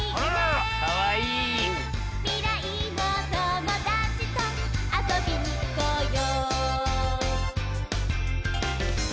「未来のともだちとあそびにいこうよ」